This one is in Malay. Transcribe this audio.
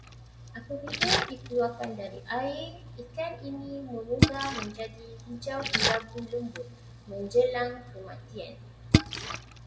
Apabila dikeluarkan dari air, ikan ini memudar menjadi hijau-kelabu lembut menjelang kematian